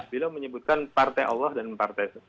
bila menyebutkan partai allah dan partai allah